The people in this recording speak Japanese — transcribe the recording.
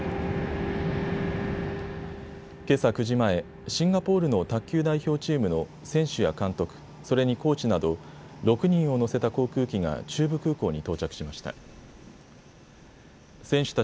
けさ９時前、シンガポールの卓球代表チームの選手や監督、それにコーチなど６人を乗せた航空機が中部空港に到着しました。